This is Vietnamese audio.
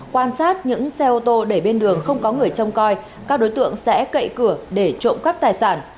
quan sát những xe ô tô để bên đường không có người trông coi các đối tượng sẽ cậy cửa để trộm cắp tài sản